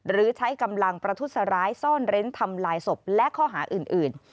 หรือใช้กำลังประทุษร้ายซ่อนเร้นทำลายศพและข้อหาอื่น